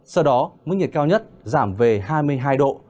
sau đó mức nhiệt cao nhất giảm về hai mươi hai độ